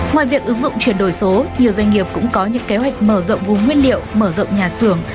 ngoài việc ứng dụng chuyển đổi số nhiều doanh nghiệp cũng có những kế hoạch mở rộng vùng nguyên liệu mở rộng nhà xưởng